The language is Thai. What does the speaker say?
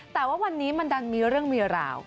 แต่ว่าวันนี้มันดันมีเรื่องมีราว